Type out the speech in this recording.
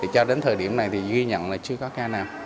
cho đến thời điểm này thì ghi nhận là chưa có ca nào